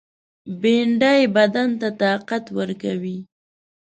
بېنډۍ بدن ته طاقت ورکوي